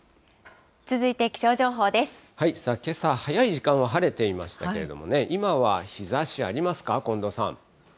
けさ、早い時間は晴れていましたけれどもね、今は日ざしありますか？